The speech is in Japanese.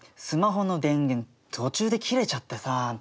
スマホの電源途中で切れちゃってさ。